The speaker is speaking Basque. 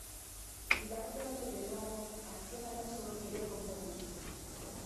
Hilabete batzuk geroago, azken arazo hori ere konpondu zuten.